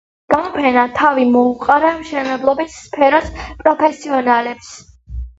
გამოფენამ თავი მოუყარა მშენებლობის სფეროს პროფესიონალებს.